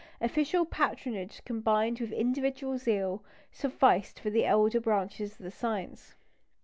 Official patronage combined with individual zeal sufficed for the elder branches of the science.